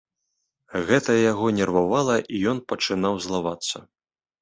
Гэта яго нервавала, і ён пачынаў злавацца.